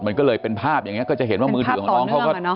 มันก็เลยเป็นภาพอย่างนี้ก็จะเห็นว่ามือถือของน้องเขาก็